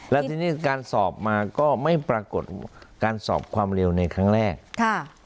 และทีนี้การสอบมาก็ไม่ปรากฏการสอบความเร็วในครั้งแรกค่ะ